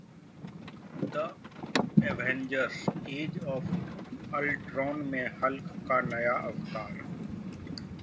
The Avengers: Age of Ultron में 'Hulk' का नया अवतार